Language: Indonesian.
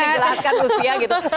dijelaskan usia gitu